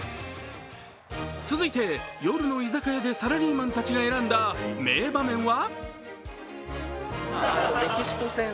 続いて、夜の居酒屋でサラリーマンたちが選んだ名場面は？